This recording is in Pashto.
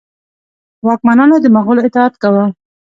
واکمنانو د مغولو اطاعت کاوه.